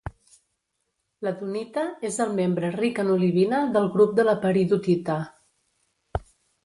La dunita és el membre ric en olivina del grup de la peridotita.